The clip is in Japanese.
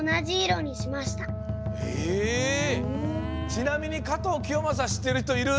ちなみに加藤清正しってるひといる？